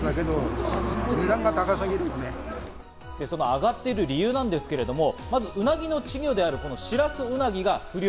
その上がっている理由なんですけれども、まずウナギの稚魚であるシラスウナギが不漁。